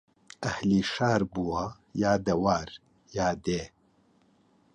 ئەهلی شار بووە یا دەوار یا دێ